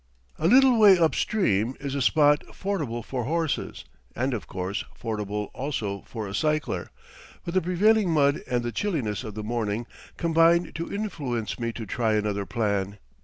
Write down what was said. A little way up stream is a spot fordable for horses, and, of course, fordable also for a cycler; but the prevailing mud and the chilliness of the morning combine to influence me to try another plan.